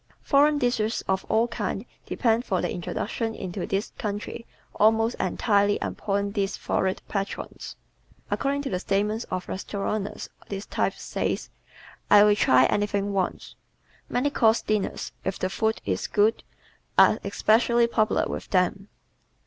Foreign dishes of all kinds depend for their introduction into this country almost entirely upon these florid patrons. According to the statements of restauranteurs this type says, "I will try anything once." Many course dinners, if the food is good, are especially popular with them.